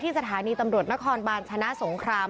สถานีตำรวจนครบาลชนะสงคราม